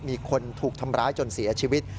มีคนถูกทำร้ายจนเสียชีวิต